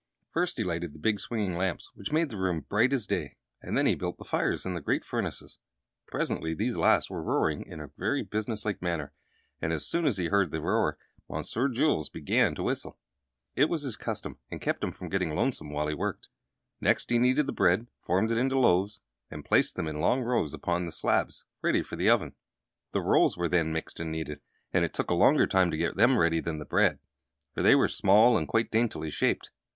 First, he lighted the big swinging lamps, which made the room bright as day, and then he built the fires in the great furnaces. Presently these last were roaring in a very business like manner, and as soon as he heard the roar Monsieur Jules began to whistle. It was his custom, and kept him from getting lonesome while he worked. Next he kneaded the bread, formed it into loaves, and placed them in long rows upon the slabs ready for the oven. The rolls were then mixed and kneaded, and it took a longer time to get them ready than it had the bread, for they were small and quite daintily shaped.